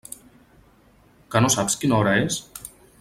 Que no saps quina hora és?